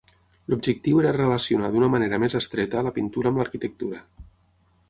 L'objectiu era relacionar d'una manera més estreta la pintura amb l'arquitectura.